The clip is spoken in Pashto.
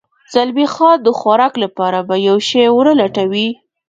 زلمی خان د خوراک لپاره به یو شی و نه لټوې؟